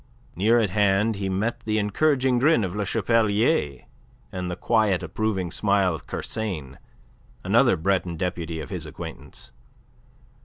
Near at hand he met the encouraging grin of Le Chapelier, and the quiet, approving smile of Kersain, another Breton deputy of his acquaintance.